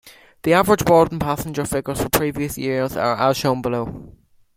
The average boarding passenger figures for previous years are as shown below.